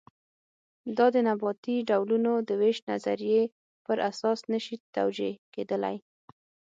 دا د نباتي ډولونو د وېش نظریې پر اساس نه شي توجیه کېدلی.